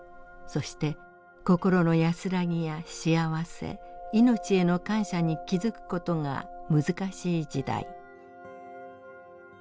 そして心の安らぎや幸せいのちへの感謝に気づく事が難しい時代。